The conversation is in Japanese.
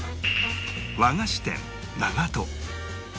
和菓子店長門